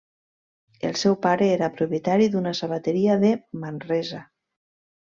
El seu pare era propietari d'una sabateria de Manresa.